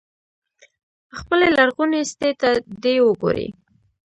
خپلې لرغونې سټې ته دې وګوري.